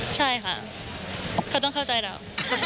ใช่ค่ะเขาต้องเข้าใจเรา